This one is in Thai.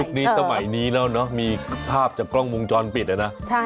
นี้สมัยนี้แล้วเนอะมีภาพจากกล้องวงจรปิดนะ